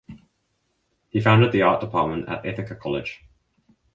He founded the art department at Ithaca College.